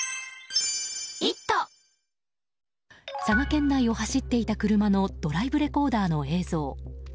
佐賀県内を走っていた車のドライブレコーダーの映像。